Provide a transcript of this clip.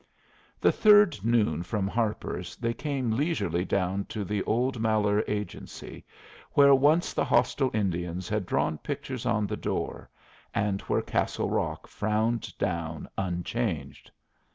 The third noon from Harper's they came leisurely down to the old Malheur Agency, where once the hostile Indians had drawn pictures on the door, and where Castle Rock frowned down unchanged.